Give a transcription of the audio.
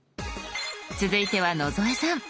続いては野添さん。